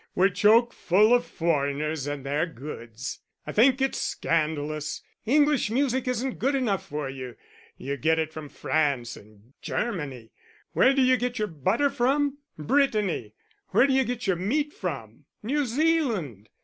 "We're choke full of foreigners and their goods. I think it's scandalous. English music isn't good enough for you you get it from France and Germany. Where do you get your butter from? Brittany! Where d'you get your meat from? New Zealand!"